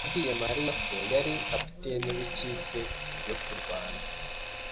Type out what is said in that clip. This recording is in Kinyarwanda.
yabwiye Mariya ko yari kapiteni w'ikipe yo kurwana.